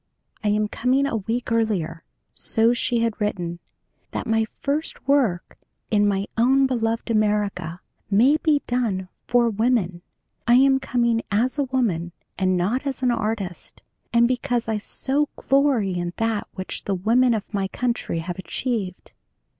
'I am coming a week earlier,' so she had written, 'that my first work in my own beloved America may be done for women. I am coming as a woman and not as an artist, and because I so glory in that which the women of my country have achieved.'